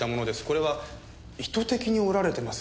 これは意図的に折られてます。